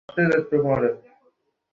এটা অনেক নিচে।